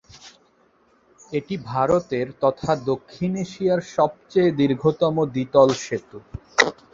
এটি ভারতের তথা দক্ষিণ এশিয়ার সবচেয়ে দীর্ঘতম দ্বিতল সেতু।